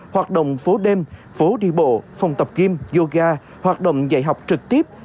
hoạt động phố đêm phố đi bộ phòng tập kim yoga hoạt động dạy học trực tiếp